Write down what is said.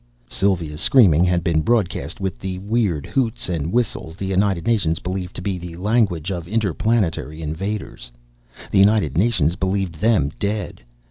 Sylva's screaming had been broadcast with the weird hoots and whistles the United Nations believed to be the language of inter planetary invaders. The United Nations believed them dead.